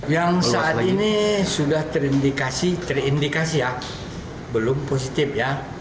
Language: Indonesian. yang saat ini sudah terindikasi terindikasi ya belum positif ya